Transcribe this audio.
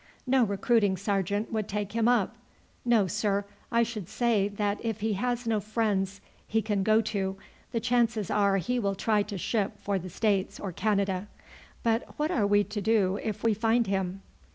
No recruiting sergeant would take him up. No, sir; I should say that if he has no friends he can go to, the chances are he will try to ship for the States or Canada. But what are we to do if we find him?"